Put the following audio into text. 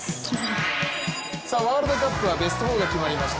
ワールドカップはベスト８が決まりました